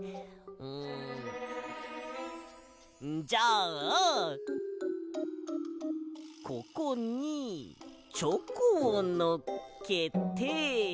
うんじゃあここにチョコをのっけて。